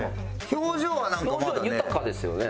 表情はなんかまだね。